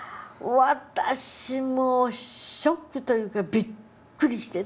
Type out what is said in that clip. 私もうショックというかびっくりして。